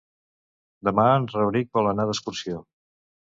Demà en Rauric vol anar d'excursió.